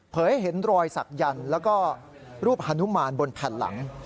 ให้เห็นรอยสักยันต์แล้วก็รูปฮานุมานบนแผ่นหลัง